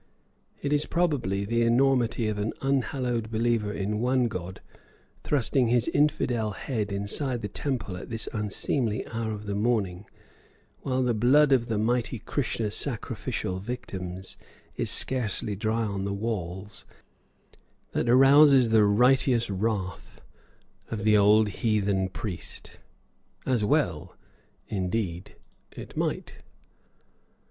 It is, probably, the enormity of an unhallowed unbeliever in one god, thrusting his infidel head inside the temple at this unseemly hour of the morning, while the blood of the mighty Krishna's sacrificial victims is scarcely dry on the walls, that arouses the righteous wrath of the old heathen priest as well, indeed, it might.